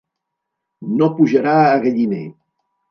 No pujarà a galliner.